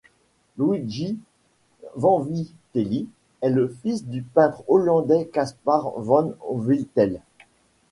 Luigi Vanvitelli est le fils du peintre hollandais Caspar van Wittel.